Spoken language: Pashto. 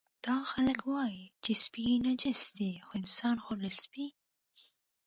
دا خلک وایي چې سپي نجس دي، خو انسان خو له سپي.